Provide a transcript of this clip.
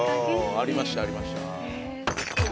ありましたありました。